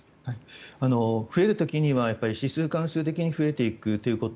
増える時には指数関数的に増えていくということ。